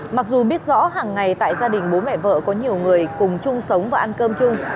mặc dù biết rõ hàng ngày tại gia đình bố mẹ vợ có nhiều người cùng chung sống và ăn cơm chung